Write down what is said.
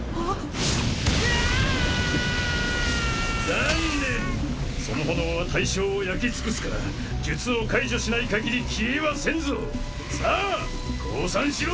残念その炎は対象を焼き尽くすか術を解除しない限り消えはせんぞさあ降参しろ！